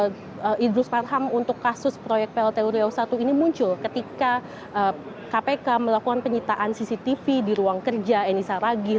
dan idrus marham untuk kasus proyek plt uriau satu ini muncul ketika kpk melakukan penyitaan cctv di ruang kerja enisa ragih